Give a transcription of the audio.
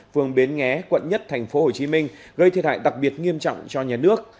phường bến nghé quận một tp hcm gây thiệt hại đặc biệt nghiêm trọng cho nhà nước